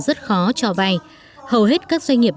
rất khó cho vay hầu hết các doanh nghiệp